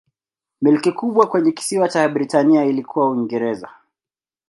Milki kubwa kwenye kisiwa cha Britania ilikuwa Uingereza.